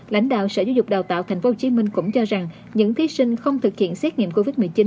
lãnh đạo sở giáo dục đào tạo tp hcm cũng cho rằng những thí sinh không thực hiện xét nghiệm covid một mươi chín